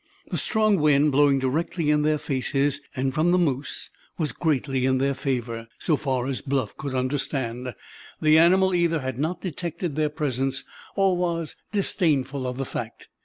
That strong wind blowing directly in their faces, and from the moose, was greatly in their favor. So far as Bluff could understand, the animal either had not detected their presence, or was disdainful of the fact.